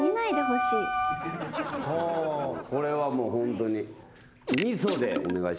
これはもうホントに。